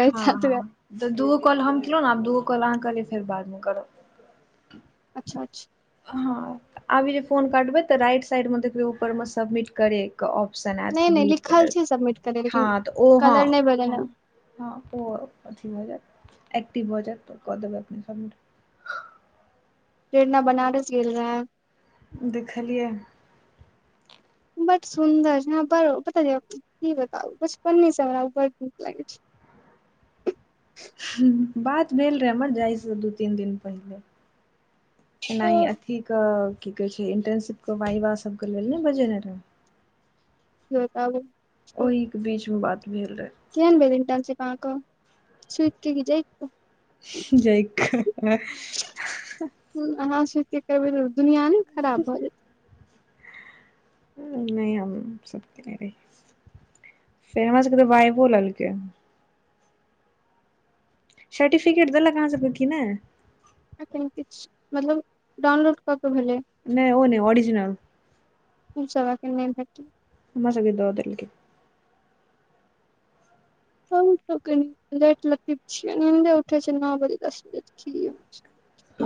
हँ हँ तऽ दूगो कॉल हम केलहुँ ने आब दूगो कॉल अहाँ कहलियै फेर बादमे करब [inaudible] हँऽ आबी जे फोन काटबै तऽ राइट साइडमे देखबै ऊपरमे सबमिट करैके ऑप्शन नहि नहि ब्लू लिखल कलर छै सबमिट करै ह लेकिन तऽ ओ ह कलर नहि भेलै ह हन ह ओ अथी भऽ जायत एक्टिव भऽ जायत तऽ कऽ देबै अपने सबमिट पेरना बनारस गेल रहेै देखलियै [inaudible] बात भेल रहै हमर जाइसँ दू तीन दिन पहिले नहि अथीे क कि कहै छैय इंटर्नशिप के वाइबा सबके लेल ने बजेने रहै [inaudible] बीचमे बात भेल रहै केहन भेल इंटर्नशिप अहाँ के सुइत के कि जैइग क जैइग क अहाँ सोचे करबै त दुनिया ने खराब भऽ जेतै नहि हम सब केनै रहि से हमरा सब के तऽ वाइवा लेलके सर्टिफिकेट देलक अहाँ सबके कि नहि एखन किछु मतलब डाउनलोड कऽ के भेलै नहि ओ नहि ओऑरिजिनल ओ सब एखन नहि भेटि हमरा सब के द दल्लके हम त कनि लेट लतिफ छिय इन्हते उठे छिय नओ बजे दस बजे [inaudible] [inaudible]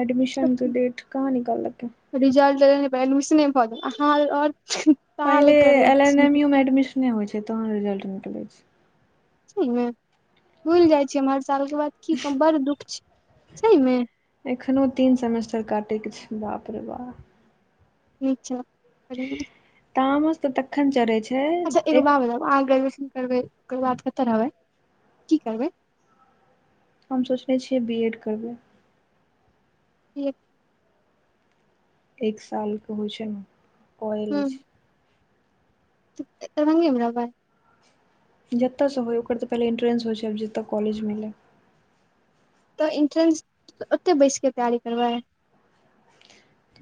एडमिशन के डेट कहाँ निकालकै [inaudible] पहिले करै एल एन छी एम यू मे एडमिशन होय छैय तहन रिजल्ट निकले छैय सही मे भुलि जाइ छिय हम हर साल के बाद की कहु बड दुःख छैय सही मे एखनो तीन सेमेस्टर काटैके छैय बाप रे बाप [inaudible] तामस तऽ तखन चढ़ै छैय अच्छा एगो बात बताब अहाँ ग्रेजुएशन करबै ओकर बाद कतऽ रहबै कि करबै हम सोचने छियै बी एड करबै ठीक एक साल कऽ होइ छैय कए लै अछि तऽ दरभंगे में रहबै जतय स होय ओकर तऽ पहिले इन्ट्रेन्स होइ छै आब जतऽ कॉलेज मिलै। तऽ इंट्रेंस [inaudible] ओतै बैस कऽ तैयारी करबै।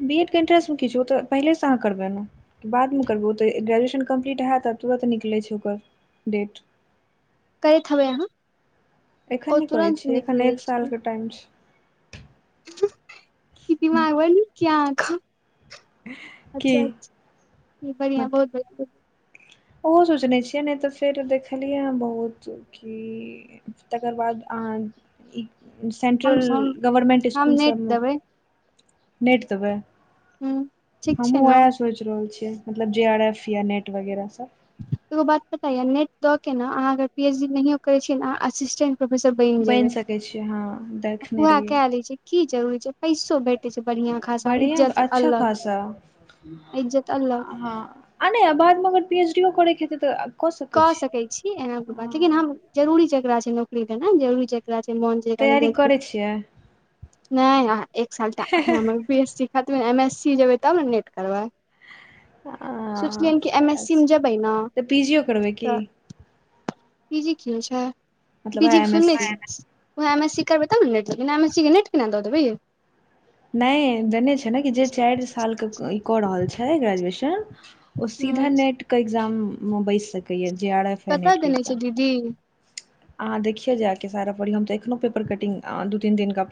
बीएड केँ इन्ट्रेंस में कि छै ओ तऽ पहिले स अहाँ करबै न बाद म करबो ओ तऽ ग्रेजुएशन कम्प्लीट हैत आ तुरन्त निकलै छैय ओकर डेट करैत हेबै अहाँ [inaudible] ओ एखन नै करै तुरंत छिय एखन निकलै एक साल छै कऽ टाइम छैय [inaudible] दिमाग बड़ नीक यऽ अहाँ कऽ [inaudible] की अच्छ अचछ [inaudible] बढ़िया मत बहुत बढ़िआ ओहो सोचने छियै नै तऽ फेर देखलियै ह बहुत की तकर बाद अहाँ ई हम सेन्ट्रल हम गवर्मेंट हम इसकुल नेट सभ म देबै नेट देबै हूँ ठीक [inaudible] छै हमहुँ ने वेह स सोच रहल छियै मतलब जे आर एफ या नेट वगैरह सब एगो बात पता य नेट दऽ केँ न अहाँ अगर पी एच डी नहियो करै छियै न अहाँ असिस्टेंट प्रोफेसर बनि जेबै सकै छियै हँ [inaudible] हम देखने उहै रहियै कै ले छै की जरूरी छै पैसो भेट बढ़ियां अच्छा खासा इज्जत अलग [inaudible] ह आ नै आ बाद म अगर पीएच डी ओ करैके हेतै तऽआब कऽ सकै छी इएह ओकर बाद लेकिन हम जरूरी जकरा छै नौकरी देनाय जरूरी छय वैह छै मोन जेकरा तैयारी लेग करै छियै [inaudible] नै अहाँ एक साल टा अखन हमर बी एस सी खत्मै एम एस सी जेबै तब न नेट करबै [inaudible] हँ सोचलियन हऽ कि एम एस सी में अच्छा जेबै न तऽ पी जीओ करबै की पी जी की होय छैय मतलब वएह एम एस सी [unintelligible] ओहाँ एम एस सी करबै तब न नेट देबै बिना एम एस सी केँ नेट केना दऽ देबै यै। नै देने छै न कि जे चाइर साल कऽ ई कऽ रहल छै ग्रेजुएशन ओ हूँ सीधा नेट कऽ एग्जाम म बैस सकैये जे आर एफ हइ कऽतऽ देने छैय दीदी अहा देखियौ जाय केँ सारा पढ़ियौ हम तऽ एखनो पेपर कटिंग आं दू तीन दिन का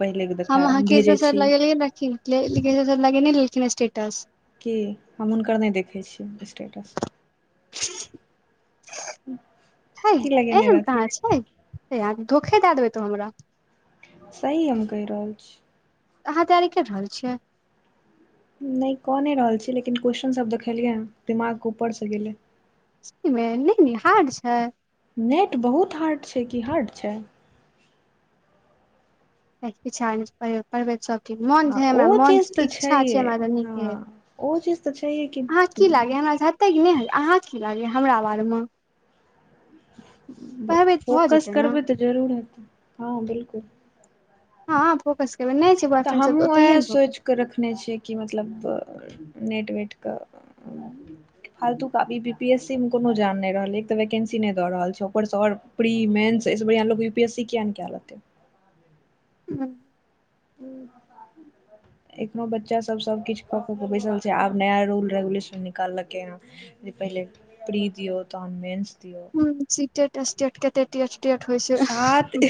हम अहाँ केसब सर लगेलियै ने कि केसर सर लगेने छलखिन स्टेटस की हम हुनकर नै देखै छियैन स्टेटस [inaudible] की लगेने रहथिन है अहाँ तऽ धोखे दै देबै तऽ हमरा सही हम कहि रहल छी अहाँ तैयारी कर रहल छियै नै कऽ नै रहल छीयै लेकिन क्वेश्चनसभ देखेलियै ह दिमाग कऽ ऊपर स गेलै सही में नै हार्ड छै। नेट बहुत हार्ड छै कि हार्ड छै [unintelligible] पढ़बै सब ठीक मोन छै हँ ओ हमरा मोन चीज तऽ इच्छा छै छैहे हमरा ज नीके हँ ओ चीज तऽ छैहे कि [inaudible] अहाँकेँ की लागैय हमरा स हेतै की नै अहाँ की लागैए हमरा बारे मऽ फोकस जेतै ने करबै तऽ जरूर हेतै हँ बिलकुल हँ अ फोकस करबै नै छै तऽ बॉयफ्रेंड सब हमहूँ तऽओतहियए उएह न फोकस सोचि कऽ रखने छियै कि मतलब नेट वेट कऽ [inaudible] फालतू कऽ आब बी पी एस सी मे कोनो जान नै रहलै एक तऽ वैकेंसी नै दऽ रहल छै ऊपर से और प्री मेन्स ऐ से बढ़िया लोक यू पी एस सी किया ने जेएलगतै फोकस [inaudible] एखनो बच्चा सब सबकिछु कऽ कऽ के बैसल छै आब नया रूल रेगुलेशन निकाललकै ह पहिले प्री दियौ तहन मेन्स दियौ। सीटेट एस्टेट एते टेटटेट होइ सात छै।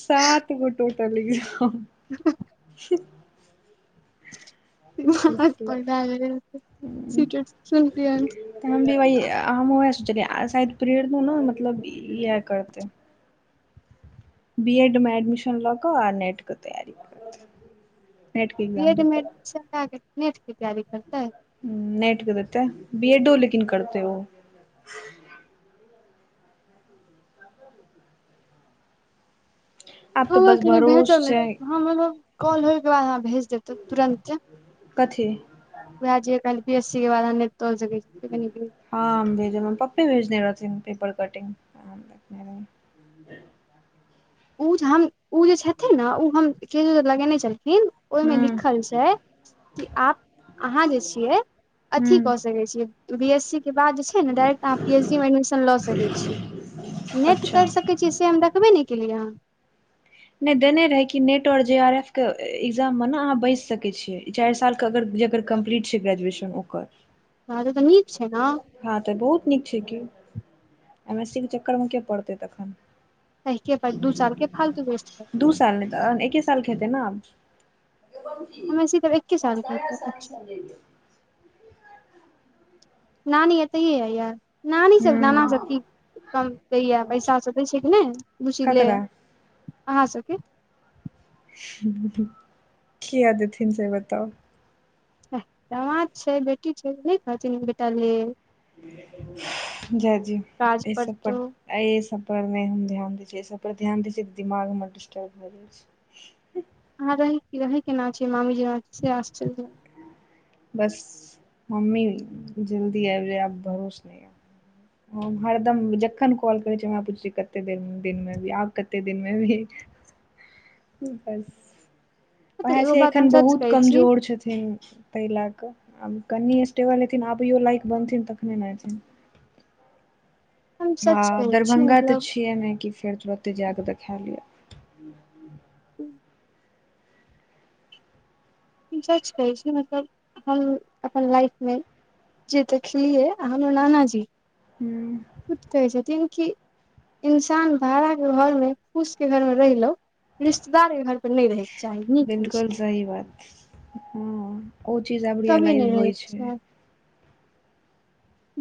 सात एकगो टोटल एग्जाम हह [inaudible] हक तऽ पढ़तायै सीटेट सुनतियन तऽ हम भी भ हम ओएह शायद प्रेरणा ने मतलब इएह करते। बी एड मे एडमिशन लऽ कऽ आ नेट के तैयारी करबै बी एड मे एडमिशन करा के नेट के तैयारी करतै। ह नेैट क देतै बी एडो लेकिन करतै ओ। आब तऽ वौवा बस कनी भह भरोस छै जाओनहम एनहौ कॉल होयके बाद अहाँ भेज देतहु तुरन्ते। कथी वएह जे क पी एस सी के बाद नेट पर। देखै छियै आमभेजने रहौ कते भेजने रहथिनह तय पर बटे ओ जे हम ओ जे लगें। ने छथिन ने ओ य। मेलिखल छै ओहिमे हूँ लिखल छै कि आ अहाँ जे छियै अथी हूँ कऽ सकैत छिये बी पी एस सी के बाद डायरेक्ट अहाँ पी एच डी मे एडमिशन लऽ सकैत छिये। नेट अच्छा करि सकैत छियै से हम देखबे नहि केलियैहन नहि देने रहै कि नेट आओर जे आर एफ के एग्जाममे ने अहाँ बैसि सकै छियै। इ चारि सालके अगरग्रेजुएशन कम्प्लीट छै ग्रेजुएशन ओकर। ह त तऽ नीक छै ने। हँ तऽ बहुत नीक छै की एम एस सी के चक्करमे के पड़तै तखन। त के दू सालके फालतू वेस्ट करतै दू साल नहि तहन एके साल हेतै ने। एम एस सी त एकै साल के हेते अच्छा। नानी ऐतय ये--य ई नानीसभ नानासभ की हूँ कमतैय पैसा सब दै छै कि नहि बुची ले ककरा अहाँ सभकें किया देथिन से बताउ दामाद छै बेटी छै नहि कहथिन बेटा ले--ल जाय दिअ काज ई सब पड़तौ पर एहि सब पर नहि हम ध्यान दै छियै एहि सब पर ध्यान दै छियै तऽ दिमाग हमर डिस्टर्ब भए जाइ छै। अहाँ रहै रहै के ना छियमामी जी हमरासे आश्चर्य लागै अछि बस मम्मी जल्दी आबि जाय बर आब भरोस नहि यै हरदम जखन कॉल करै छै हमरा पुछेल कते दिन ऐबहि आब कते दिन मे भी। [inaudible] बस उएह छै पता एगो पाईके ए। बात हम खन सच बहुत कहै छी कमजोर छथिन ताहि लए कऽ आब कनि स्टेबल हेथिन आबियौ लाइक बनथिन तखने ने एेथिन। हम हाँ सच कहै छी दरभंगा तऽ मतलब छियै ने कि फेर आओतै देखा लिअ। ह्म। [inaudible] हम सच कहै छी ना मतलब हम अपन लाइफमे जी देखलियै आ हमर नाना जी हूँ। खुद कहै छथिन कि इंसान भाड़ा के घर मे फूश के घर मे रहिलौ रिश्तेदार के घर पे नै रहहि बिल्कुल सही बात छै ओ चीज आब कभी नहि रियलाइज होइ रहैके छै। चाही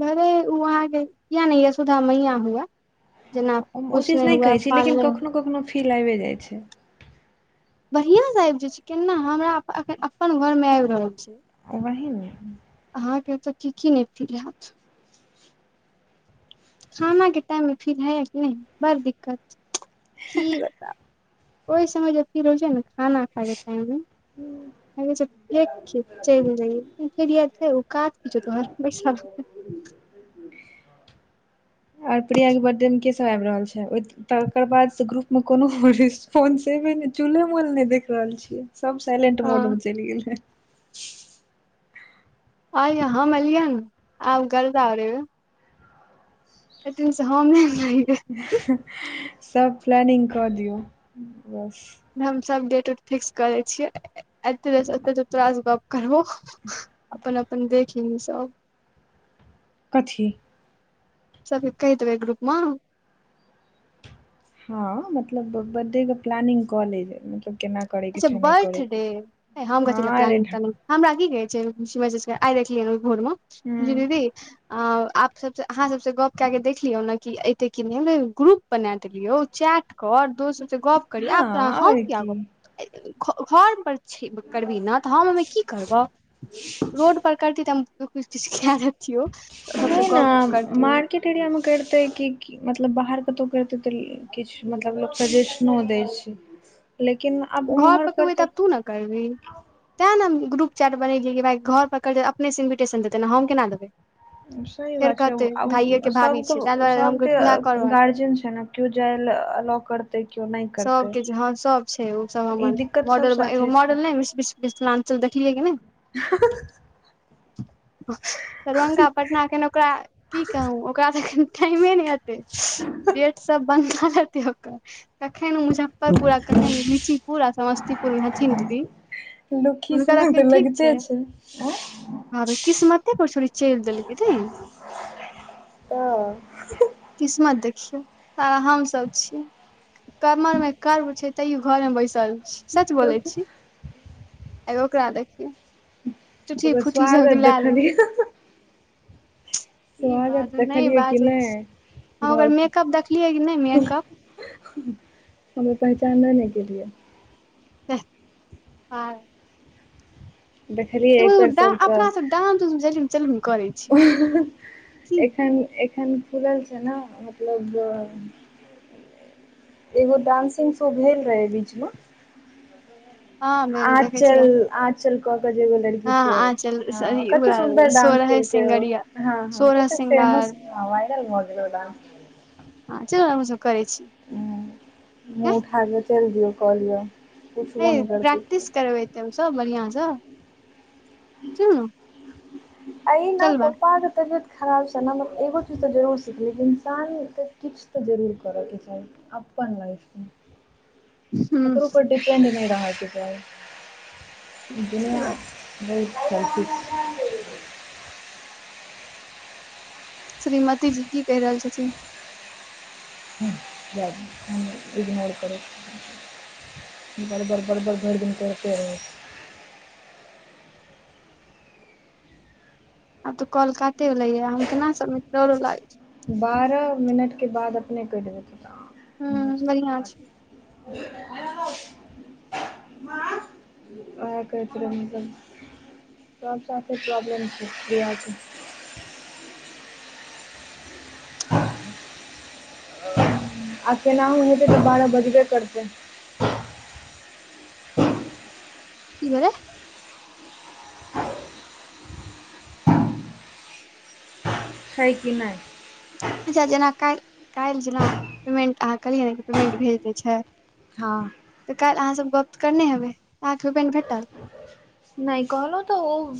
भले उ अहाँके किया नै यसोधा मैया हुए। जेना हम ओ चीज पोसने नै हुए कहै छी लेकिन पालने हुए कखनो कखनो फील आबे जाइ छै। बढ़ियां स आबि जाय छै केना हमरा अपन घर मे आबि रहल छै। वही ने। अहाँके तऽ की की ने फील हैत। खाना के टाइम मे फील ह या की नै बड़ दिक्कत खी बताउ ओहि समय जे फील हो छै न खाना खायके टाइम मे। हूँ मोन होई छै फेंक कऽ चलि जइए लेकिन काज की छौ तोहर [unintelligible] [inaudible] आर प्रीया के बडे मे के सब आईब रहल छै ओत तकर बाद स ग्रुप मे कोनो रीस्पॉंसेवे नै चूले मोल नै देख रहल छियै सब साइलेंट हँ मोड मे चलि गेलै आइ हम एलियै न आब गर्दा उड़ेबै। तय दिन स हम नै उरेलियै सब प्लानिंग कऽ दियौ बस। हम सब डेट उट फिक्स क दै छिए, एते [unintelligible] तोरा स गप करबो अपन अपन देखी लिहै सब कथी सबके कहिदेबै ग्रुप मे हाँ, मतलब बडे के प्लानिंग कऽ लै मतलब केना करे के अच्छा छै नहि बर्थ करे डे, के छै नै हम कथीला हँ रे प्लानिंग ढ तलानिंग हमरा की कहै छै शिव चस् आइ देखलियै ओहि भोर मे जे हूँ दीदी अ, आप सब अहाँ सबसे गप क के देखलियौ ने कि एते की नै ग्रुप! बनाएत कियो चैट क, आओर दोस्त सब से गप करी। हँ आब त हम आओर किया गप? की घर पर छी करबही न तऽ हम ओमे की करबौ रोड पर करती तऽ हम किछ खय देतियो तऽ सबसे गप करतियौ क एतै किी [unintelligible] मतलब, बाहर कतौ करतै तऽ किछु मतलब सेजशनो दै छै लेकिन आब घर ओम्हर प करबै तऽ करतै आब तू न करबी तैँ न हम ग्रुप चाट बनेलियै कि भाय घर करितै त अपने सँ इन्विटेशन देतै, न हम केना देबै सही फेर बात छै, कहतै भाइये आब के भाभी छै ताहि सबके दुआरे हम सबके कहलियै तोहे करबे गार्जियन छै न की ओ जाइला अ लाउकर त कीयो नै सबके के जहाँ, सब छै, ओ सब हमर दिक्कत सब मॉडल एगो साथे छै मॉडल नै बीस बीस मिथि लाञ्चल देख ठीके ने [unintelligible] [inaudible] दरभंगा, पटना केन ओकरा की कहू, ओकरा त अखन टाइमे नै हतै गेट सब बन्द क लेत ओकर कखन मुजफर [unintelligible] जफपुर आ कखन लीची पुर आ समस्तीपुरमे हथिन, दीदी लुखी हुनकर समग तऽ लगिते छै। आ हमर किस्मते पर छुरी चलि देलकै दीदी हा किस्मत देखियै और हम सभ छी कमर मे कर्व छै। तैयो घोर में बैसल छी सच बोलै छी एगो ओकरा देखियौ। टूठी ओकर फूठी सब के स्वागत लए ले देखलियै हा ई स्वागत बाजू नहि देखलियै कि बाजै छी नहि हम ओकर घोर मेकअप देखलियै कि नहि मेकअप हमर पहचान नहि ने कियै हा देखलियै एकर सभ के अपना सब डांस उंस जलुम चलुम करै छी की एखन एखन खुलल छै। ने मतलब एगो डानंसिंग शो भेल रहय बीच में हँ भेल देखै छियै हम आचल आचल क के जे एगो लड़की हँ छै। आँचल हाँ ओ सॉरी कते सुंन्दर डांस सोरहे केलकै ओ सिंगरिया हाँ ओ सोरह तऽ श्रृंगार फेमस वायरल व गेलो डांस हा चालू हम सभ करै छी। हूँ एं मुँह उठा के चलि दिय औ कह लिय आ हे प्रैक्टिस करबै तऽ सभ बढिया सँ सुनू अइना पप्पा आ त जते खराब‌ समय ने में एगो चीज त जरूर सिखलिये कि इन्सान के किछु त जरूर कर के चाही अपन अप्पन वाला के हूँ ककरो पर दिपेंड नै होइ के चाही से बात बहुत सभ चीज श्रीमती जी की कहि रहल छथिन हा जखन हम इग्नोर करू बरबर बरबर भरि दिन करते रहै छै। आब तो कॉल काटे रहले ह हम केना सभ के लाग बारह मिनटके बाद अपने कटि देथि तऽ अपने हूँ के बढ़ियां छै देबै हा हो ओएह कह रहै छै। सभ साथे प्रॉब्लम छै। आब केनहो हेतै तऽ बारह बजबे करतै कि भेलै हइ कि नहि। अच्छा जेना काल्हि काल्हि जेना पेमेन्ट अहाँ कहलियै ने पेमेन्ट भेज दै छै। हा तऽ काल्हि अहाँसभ गप करने हेबै अहाँके पेमेंट भेटल नहि कहलो त ऊ